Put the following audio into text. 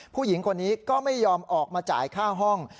ผู้หญิงคนนี้ก็ไม่ยอมออกมาจ่ายค่าห้อง